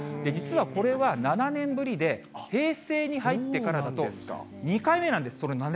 実はこれは７年ぶりで、平成に入ってからだと２回目なんです、これ。